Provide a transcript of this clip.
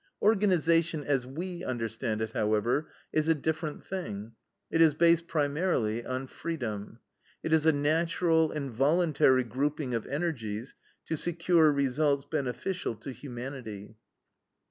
"Organization, as WE understand it, however, is a different thing. It is based, primarily, on freedom. It is a natural and voluntary grouping of energies to secure results beneficial to humanity.